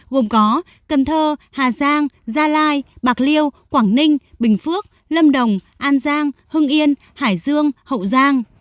gồm có cần thơ hà giang gia lai bạc liêu quảng ninh bình phước lâm đồng an giang hưng yên hải dương hậu giang